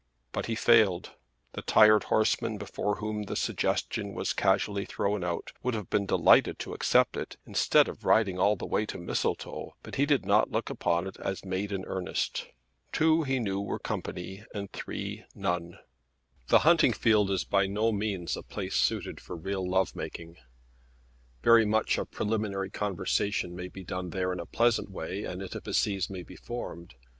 But he failed. The tired horseman before whom the suggestion was casually thrown out, would have been delighted to accept it, instead of riding all the way to Mistletoe; but he did not look upon it as made in earnest. Two, he knew, were company and three none. The hunting field is by no means a place suited for real love making. Very much of preliminary conversation may be done there in a pleasant way, and intimacies may be formed.